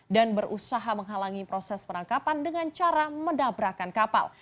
dan berusaha menghalangi proses penangkapan dengan cara mendabrakan kapal